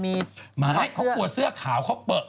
มีไม้เขากลัวเสื้อขาวเขาเปลือก